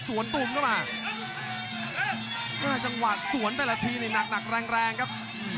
สวนตุ่มเข้ามาจังหวะสวนแต่ละทีนี่หนักแรงครับ